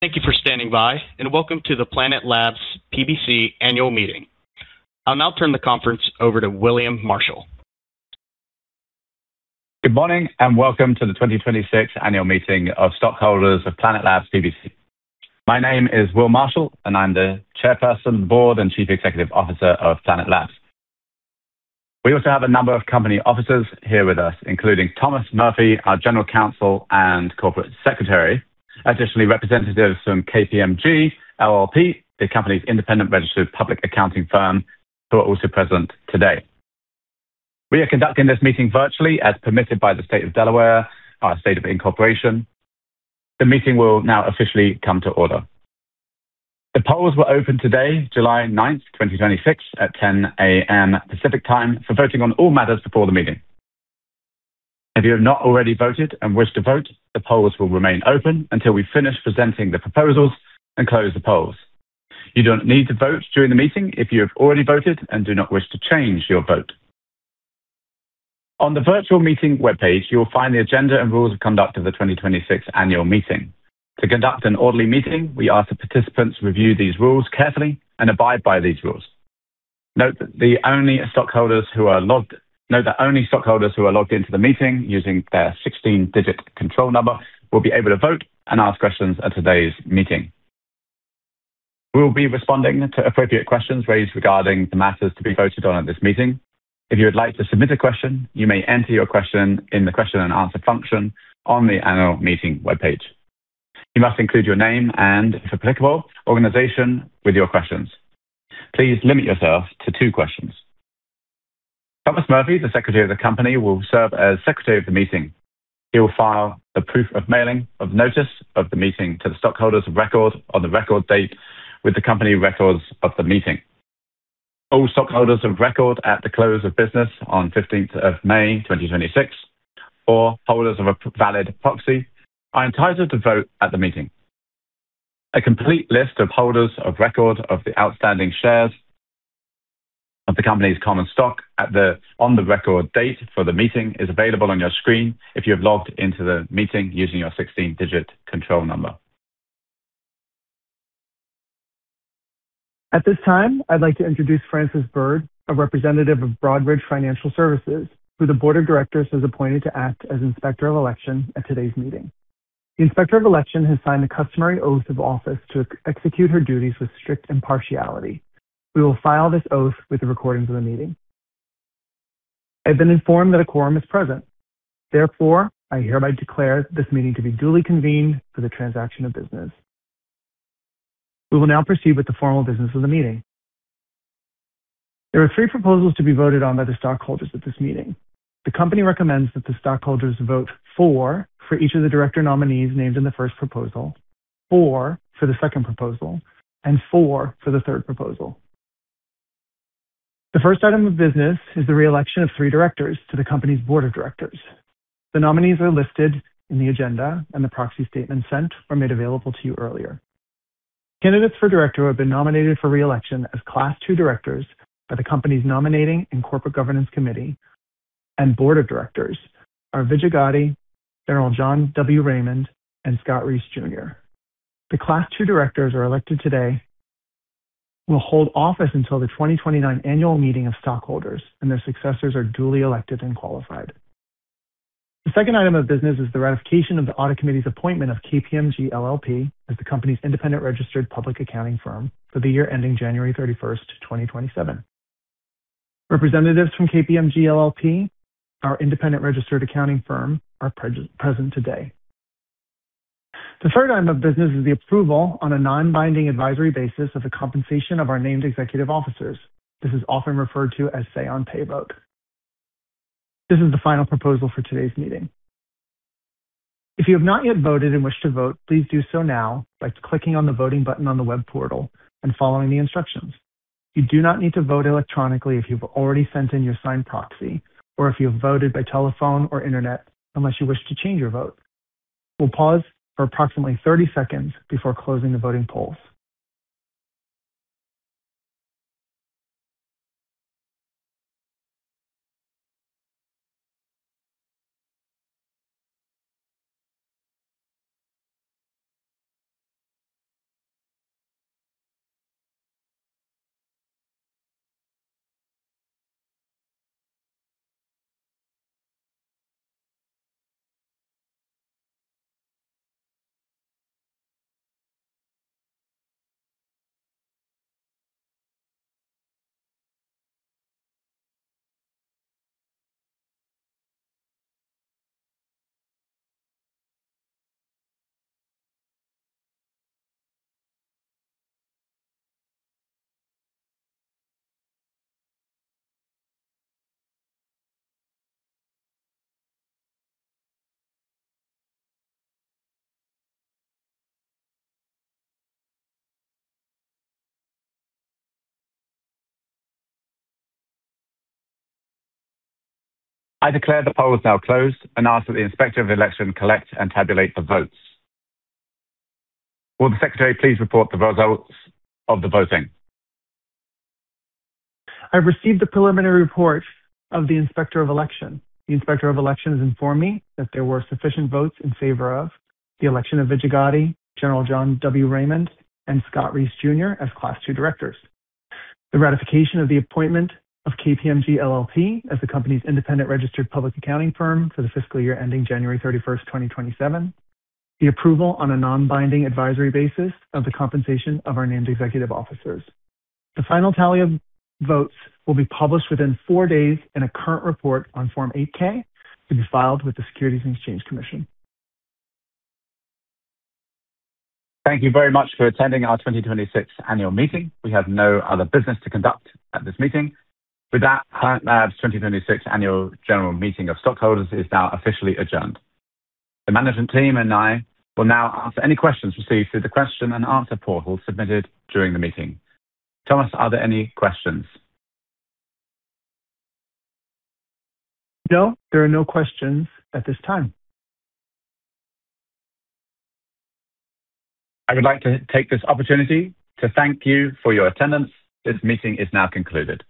Thank you for standing by, welcome to the Planet Labs PBC annual meeting. I'll now turn the conference over to Will Marshall. Good morning, welcome to the 2026 annual meeting of stockholders of Planet Labs PBC. My name is Will Marshall, and I'm the chairperson, board, and Chief Executive Officer of Planet Labs. We also have a number of company officers here with us, including Thomas Murphy, our general counsel and corporate secretary. Additionally, representatives from KPMG LLP, the company's independent registered public accounting firm, who are also present today. We are conducting this meeting virtually as permitted by the State of Delaware, our state of incorporation. The meeting will now officially come to order. The polls were opened today, July 9th, 2026, at 10:00 A.M. Pacific time for voting on all matters before the meeting. If you have not already voted and wish to vote, the polls will remain open until we finish presenting the proposals and close the polls. You don't need to vote during the meeting if you have already voted and do not wish to change your vote. On the virtual meeting webpage, you will find the agenda and rules of conduct of the 2026 annual meeting. To conduct an orderly meeting, we ask that participants review these rules carefully and abide by these rules. Note that only stockholders who are logged into the meeting using their 16-digit control number will be able to vote and ask questions at today's meeting. We will be responding to appropriate questions raised regarding the matters to be voted on at this meeting. If you would like to submit a question, you may enter your question in the question and answer function on the annual meeting webpage. You must include your name and, if applicable, organization with your questions. Please limit yourself to two questions. Thomas Murphy, the secretary of the company, will serve as secretary of the meeting. He will file the proof of mailing of notice of the meeting to the stockholders of record on the record date with the company records of the meeting. All stockholders of record at the close of business on May 15th, 2026, or holders of a valid proxy, are entitled to vote at the meeting. A complete list of holders of record of the outstanding shares of the company's common stock on the record date for the meeting is available on your screen if you have logged into the meeting using your 16-digit control number. At this time, I'd like to introduce Francis Byrd, a representative of Broadridge Financial Services, who the Board of Directors has appointed to act as Inspector of Election at today's meeting. The Inspector of Election has signed the customary oath of office to execute her duties with strict impartiality. We will file this oath with the recordings of the meeting. I've been informed that a quorum is present. I hereby declare this meeting to be duly convened for the transaction of business. We will now proceed with the formal business of the meeting. There are three proposals to be voted on by the stockholders at this meeting. The company recommends that the stockholders vote for each of the director nominees named in the first proposal, for the second proposal, and for the third proposal. The first item of business is the re-election of three directors to the company's Board of Directors. The nominees are listed in the agenda and the proxy statement sent or made available to you earlier. Candidates for director who have been nominated for re-election as Class II directors by the company's Nominating and Corporate Governance Committee and Board of Directors are Vijaya Gadde, General John W. Raymond, and Scott Reese Jr. The Class II directors elected today, will hold office until the 2029 annual meeting of stockholders, and their successors are duly elected and qualified. The second item of business is the ratification of the Audit Committee's appointment of KPMG LLP as the company's independent registered public accounting firm for the year ending January 31st, 2027. Representatives from KPMG LLP, our independent registered accounting firm, are present today. The third item of business is the approval on a non-binding advisory basis of the compensation of our named executive officers. This is often referred to as say on pay vote. This is the final proposal for today's meeting. If you have not yet voted and wish to vote, please do so now by clicking on the voting button on the web portal and following the instructions. You do not need to vote electronically if you've already sent in your signed proxy or if you have voted by telephone or internet unless you wish to change your vote. We'll pause for approximately 30 seconds before closing the voting polls. I declare the polls now closed and ask that the Inspector of Election collect and tabulate the votes. Will the Secretary please report the results of the voting? I've received the preliminary report of the Inspector of Election. The Inspector of Election has informed me that there were sufficient votes in favor of the election of Vijaya Gadde, General John W. Raymond, and Scott Reese Jr. as Class II directors. The ratification of the appointment of KPMG LLP as the company's independent registered public accounting firm for the fiscal year ending January 31st, 2027. The approval on a non-binding advisory basis of the compensation of our named executive officers. The final tally of votes will be published within four days in a current report on Form 8-K to be filed with the Securities and Exchange Commission. Thank you very much for attending our 2026 annual meeting. We have no other business to conduct at this meeting. Planet Labs' 2026 Annual General Meeting of Stockholders is now officially adjourned. The management team and I will now answer any questions received through the question and answer portal submitted during the meeting. Thomas, are there any questions? No, there are no questions at this time. I would like to take this opportunity to thank you for your attendance. This meeting is now concluded.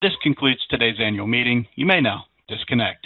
This concludes today's annual meeting. You may now disconnect.